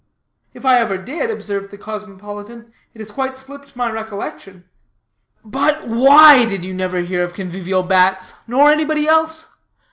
"If I ever did," observed the cosmopolitan, "it has quite slipped my recollection." "But why did you never hear of convivial bats, nor anybody else?